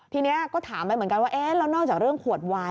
ทีนี้ก็ถามไปเหมือนกันว่าเอ๊ะแล้วนอกจากเรื่องขวดวาย